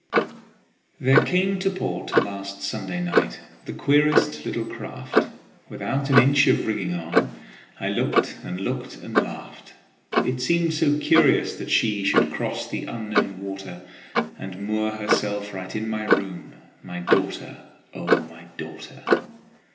(1844 .) There came to port last Sunday night The queerest little craft, Without an inch of rigging on; I looked and looked and laughed. It seemed so curious that she Should cross the Unknown water, And moor herself right in my room, My daughter, O my daughter!